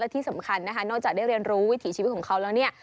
ที่สำคัญนะคะนอกจากได้เรียนรู้วิถีชีวิตของเขาแล้วเนี่ย